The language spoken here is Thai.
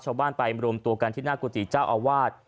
ชาวบ้านไปรวมตัวกันที่หน้ากุฏิเจ้าอาวาส